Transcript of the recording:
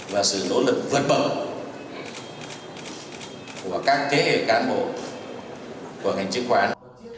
và sự nỗ lực vượt bậc của các kế hệ cán bộ của ngành chứng khoán